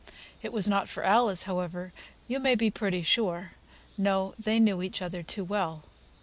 It was not for Alice, however, you may be pretty sure; no, they knew each other too well.